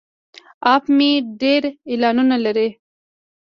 اپ مې ډیر اعلانونه لري.